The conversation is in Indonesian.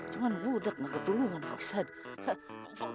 cuman budak gak ketulungan pak ustadz